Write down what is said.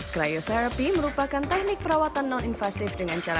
cryotherapy merupakan teknik perawatan non invasif dengan cedera